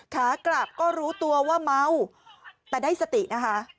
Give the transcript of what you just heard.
ขากลับก็รู้ตัวว่าเมาแต่ได้สตินะคะ